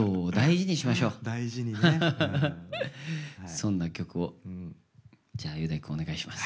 そんな曲をじゃあ雄大くんお願いします。